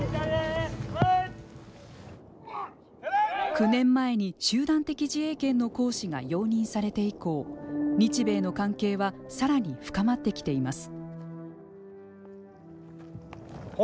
９年前に集団的自衛権の行使が容認されて以降日米の関係はさらに深まってきています。